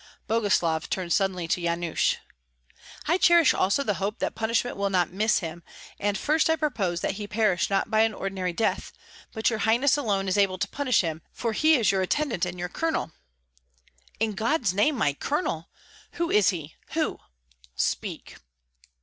Boguslav turned suddenly to Yanush. "I cherish also the hope that punishment will not miss him, and first I propose that he perish not by an ordinary death; but your highness alone is able to punish him, for he is your attendant and your colonel." "In God's name! my colonel? Who is he, who? Speak!